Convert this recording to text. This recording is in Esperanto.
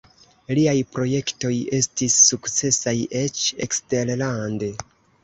Liaj projektoj estis sukcesaj eĉ eksterlande.